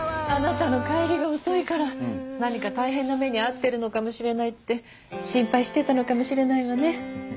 あなたの帰りが遅いから何か大変な目に遭ってるのかもしれないって心配してたのかもしれないわね。